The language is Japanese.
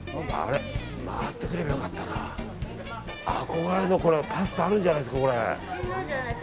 憧れのパスタあるんじゃないですか。